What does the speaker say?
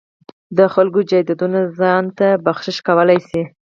د خلکو جایدادونه ځان ته بخشش کولای شي.